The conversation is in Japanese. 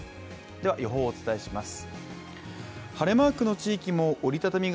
では予報をお伝えします。